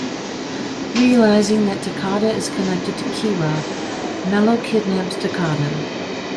Realizing that Takada is connected to Kira, Mello kidnaps Takada.